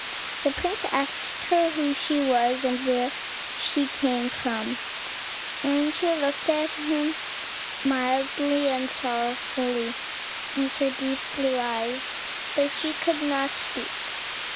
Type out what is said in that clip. The prince asked her who she was, and where she came from, and she looked at him mildly and sorrowfully with her deep blue eyes; but she could not speak.